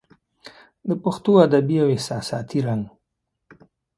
د پښتو ادبي او احساساتي رنګ